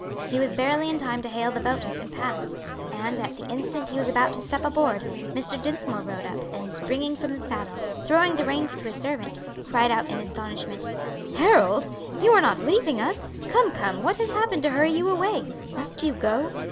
He was barely in time to hail the boat as it passed, and at the instant he was about to step aboard, Mr. Dinsmore rode up, and springing from the saddle, throwing the reins to his servant, cried out in astonishment, "Harold! you are not leaving us? Come, come, what has happened to hurry you away? Must you go?"